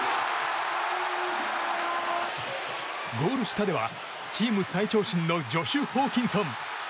ゴール下ではチーム最長身のジョシュ・ホーキンソン。